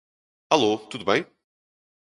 Alô, tudo bem?